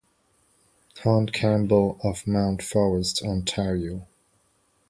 Hunt Campbell of Mount Forest, Ontario.